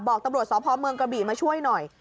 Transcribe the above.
บอกตำรวจสพเมืองกระบี่มาช่วยหน่อย